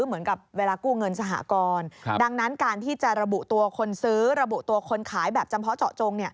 เหมือนกับเวลากู้เงินสหกรดังนั้นการที่จะระบุตัวคนซื้อระบุตัวคนขายแบบจำเพาะเจาะจง